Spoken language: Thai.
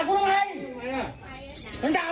ขอบคุณพระเจ้า